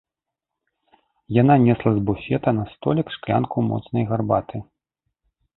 Яна несла з буфета на столік шклянку моцнай гарбаты.